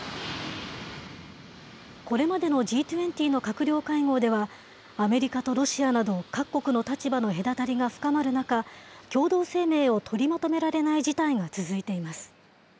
これまでのＧ２０の閣僚会合では、アメリカとロシアなど各国の立場の隔たりが深まる中、共同声明を取りまとめられない事態が続いています。